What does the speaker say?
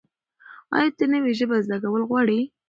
ایا ته نوې ژبه زده کول غواړې؟